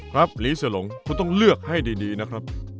หลีสหลงคุณต้องเลือกให้ดีนะครับ